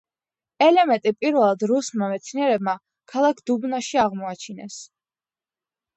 ელემენტი პირველად რუსმა მეცნიერებმა ქალაქ დუბნაში აღმოაჩინეს.